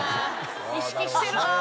意識してるなあ。